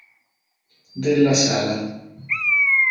Della Sala